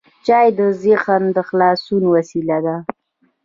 چای د ذهن د خلاصون وسیله ده.